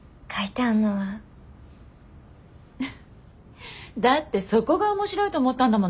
フフフだってそこが面白いと思ったんだもの。